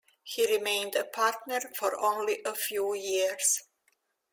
He remained a partner for only a few years.